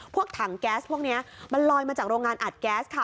พวกถังแก๊สพวกนี้มันลอยมาจากโรงงานอัดแก๊สค่ะ